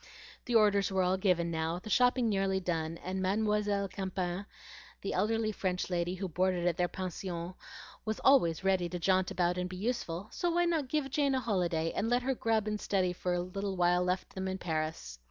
The orders were all given now, the shopping nearly done, and Mademoiselle Campan, the elderly French lady who boarded at their Pension, was always ready to jaunt about and be useful; so why not give Jane a holiday, and let her grub and study for the little while left them in Paris?